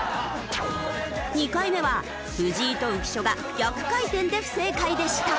２回目は藤井と浮所が逆回転で不正解でした。